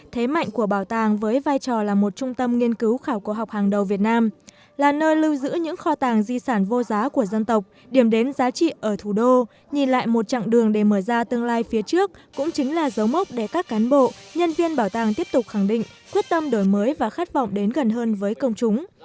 thế mạnh của bảo tàng với vai trò là một trung tâm nghiên cứu khảo cổ học hàng đầu việt nam là nơi lưu giữ những kho tàng di sản vô giá của dân tộc điểm đến giá trị ở thủ đô nhìn lại một chặng đường để mở ra tương lai phía trước cũng chính là dấu mốc để các cán bộ nhân viên bảo tàng tiếp tục khẳng định quyết tâm đổi mới và khát vọng đến gần hơn với công chúng